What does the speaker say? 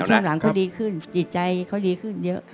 ช่วงหลังเขาดีขึ้นจิตใจเขาดีขึ้นเยอะ